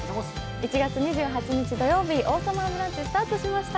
１月２８日土曜日、「王様のブランチ」スタートしました。